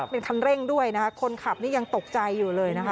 เป็นคันเร่งด้วยนะคะคนขับนี่ยังตกใจอยู่เลยนะคะ